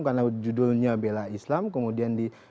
karena judulnya bela islam kemudian